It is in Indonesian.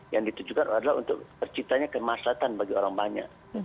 yang ditujukan adalah untuk terciptanya kemaslatan ya